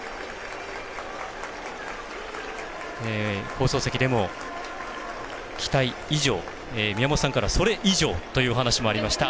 放送席でも期待以上、宮本さんからはそれ以上というお話もありました